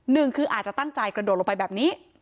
หนึ่งคืออาจจะตั้งใจกระโดดลงไปแบบนี้